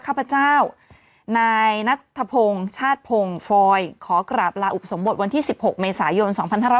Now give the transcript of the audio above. ข้าพเจ้านายนัทธพงศ์ชาติพงศ์ฟอยขอกราบลาอุปสมบทวันที่๑๖เมษายน๒๕๖๐